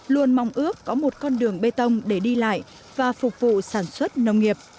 luôn mong ước có một con đường bê tông để đi lại và phục vụ sản xuất nông nghiệp